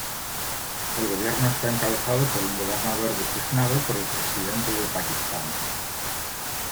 El gobierno está encabezado por un gobernador designado por el presidente de Pakistán.